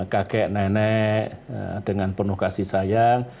kakek nenek dengan penuh kasih sayang